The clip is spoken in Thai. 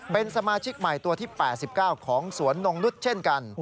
เป็นสมาชิกใหม่ตัวที่๘๙ของสวนนงนุษย์เช่นกัน